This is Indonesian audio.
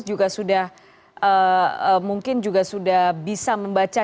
juga sudah mungkin juga sudah bisa membaca